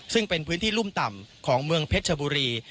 ซึ่งเป็นพื้นที่รุ่มต่ำของเมืองเพชรชบุรี